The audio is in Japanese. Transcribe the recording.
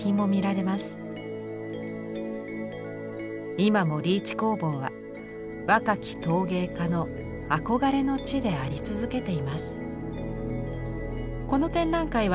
今もリーチ工房は若き陶芸家の憧れの地であり続けています。